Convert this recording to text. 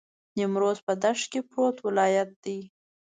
نیمروز په دښت کې پروت ولایت دی.